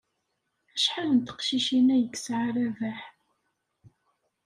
Acḥal n teqcicin ay yesɛa Rabaḥ?